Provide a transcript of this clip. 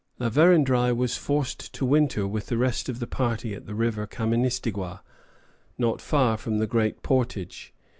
La Vérendrye was forced to winter with the rest of the party at the river Kaministiguia, not far from the great portage.